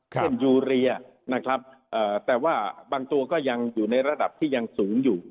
ยูเรียนะครับแต่ว่าบางตัวก็ยังอยู่ในระดับที่ยังสูงอยู่